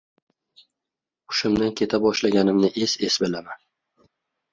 Hushimdan keta boshlaganimni es-es bilaman.